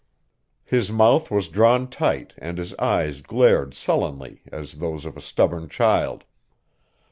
His mouth was drawn tight and his eyes glared sullenly as those of a stubborn child.